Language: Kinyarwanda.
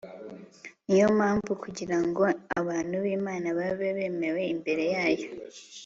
niyo mpamvu, kugira ngo abantu b'imana babe bemewe imbere yayo